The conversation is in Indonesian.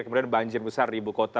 kemudian banjir besar di ibu kota